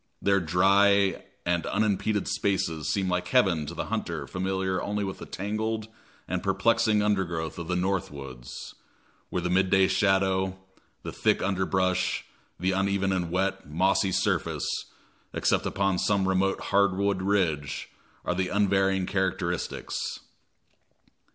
Their dry and unimpeded spaces seem like heaven to the hunter familiar only with the tangled and perplexing undergrowth of the "North Woods," where the midday shadow, the thick underbrush, the uneven and wet, mossy surface, except upon some remote hardwood ridge, are the unvarying characteristics.